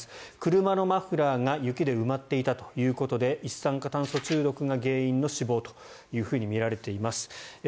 車のマフラーが雪で埋まっていたということで一酸化炭素中毒が原因の死亡とみられています。